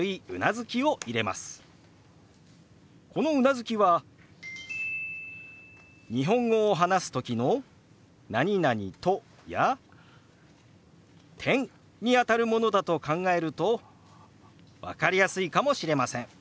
このうなずきは日本語を話す時の「と」や「、」にあたるものだと考えると分かりやすいかもしれません。